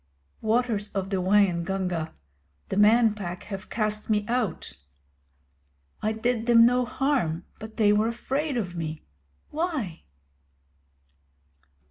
Waters of the Waingunga, the Man Pack have cast me out. I did them no harm, but they were afraid of me. Why?